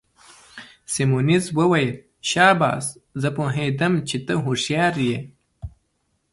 سیمونز وویل: شاباس، زه پوهیدم چي ته هوښیار يې.